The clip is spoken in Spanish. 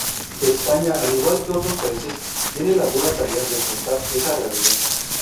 España, al igual que otros países, tiene la dura tarea de enfrentar esa realidad.